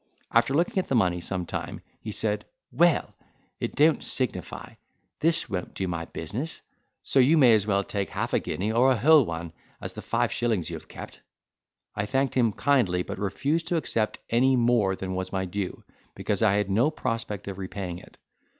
After looking at the money some time, he said, "Well! it don't signify—this won't do my business; so you may as well take half a guinea, or a whole one, as the five shillings you have kept." I thanked him kindly, but refused to accept of any more than was my due, because I had no prospect of repaying it.